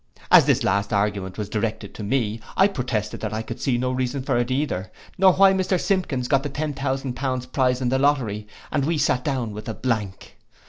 As this last argument was directed to me, I protested I could see no reason for it neither, nor why Mr Simpkins got the ten thousand pound prize in the lottery, and we sate down with a blank.